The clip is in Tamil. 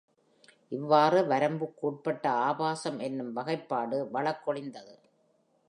இவ்வாறு “வரம்புக்குட்பட்ட ஆபாசம்” என்னும் வகைப்பாடு வழக்கொழிந்தது.